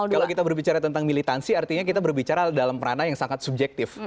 kalau kita berbicara tentang militansi artinya kita berbicara dalam ranah yang sangat subjektif